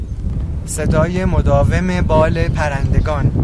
صدای مداوم بال پرندگان